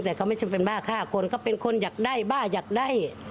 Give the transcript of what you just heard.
แต่เขาไม่ใช่เป็นบ้าฆ่าคนเขาเป็นคนอยากได้บ้าอยากได้